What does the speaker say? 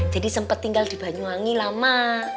jadi sempet tinggal di banyuwangi lama